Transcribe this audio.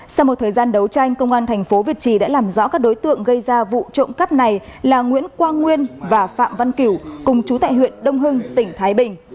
sau một thời gian đấu tranh công an thành phố việt trì đã làm rõ các đối tượng gây ra vụ trộm cắp này là nguyễn quang nguyên và phạm văn kiểu cùng chú tại huyện đông hưng tỉnh thái bình